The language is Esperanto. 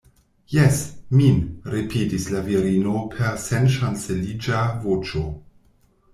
Jes, min, ripetis la virino per senŝanceliĝa voĉo.